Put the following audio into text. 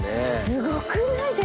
すごくないですか？